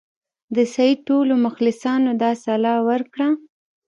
د سید ټولو مخلصانو دا سلا ورکړه.